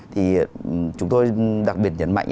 thì chúng tôi đặc biệt nhấn mạnh